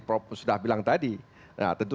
prof sudah bilang tadi tentu